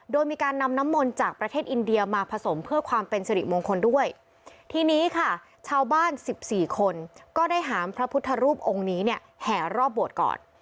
โดยมีการนำน้ำมนต์จากประเทศอินเดียมาผสมเพื่อความเป็นสิริมงคลด้วยทีนี้ค่ะชาวบ้านสิบสี่คนก็ได้หามพระพุทธรูปองค์นี้เนี่ยแห่รอบบวชก่อน